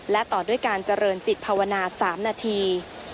และต่อด้วยการเจริญจิตภาวนา๓นาที